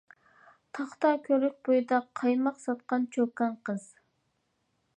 تاختا كۆۋرۈك بويىدا، قايماق ساتقان چوكان قىز.